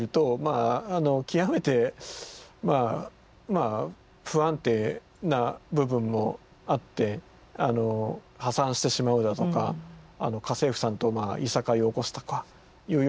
あの極めてまあ不安定な部分もあって破産してしまうだとか家政婦さんといさかいを起こすとかいうような。